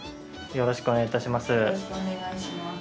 よろしくお願いします。